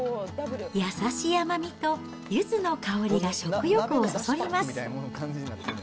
優しい甘みとゆずの香りが食欲をそそります。